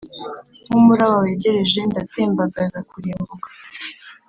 nkumuraba wegereje ndatembagaza kurimbuka.